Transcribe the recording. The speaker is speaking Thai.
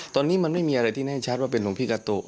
ตอนนี้มันไม่มีอะไรที่แน่ชัดว่าเป็นหลวงพี่กาตุ